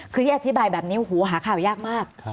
คือที่อธิบายแบบนี้โอ้โหหาข่าวยากมาก